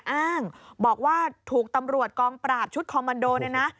อ้างบอกว่าถูกตำรวจกองปราบชุดคอมมันโดเนี่ยนะ